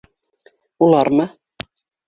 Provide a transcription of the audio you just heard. Улармы?